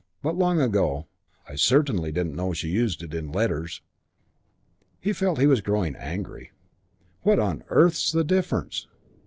But long ago. I certainly didn't know she used it in letters." He felt he was growing angry. "What on earth's the difference?"